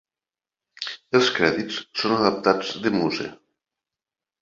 Els crèdits són adaptats de Muze.